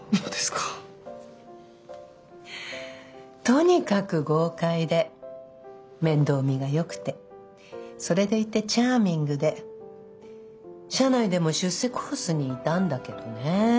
とにかく豪快で面倒見がよくてそれでいてチャーミングで社内でも出世コースにいたんだけどね。